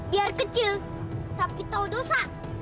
biar kecil tapi tahu dosa